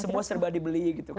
semua serba dibeli gitu kan